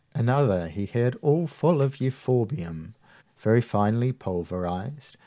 Another he had all full of euphorbium, very finely pulverized.